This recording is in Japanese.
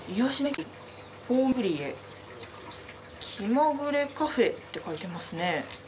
「キマグレカフェ」って書いてますね。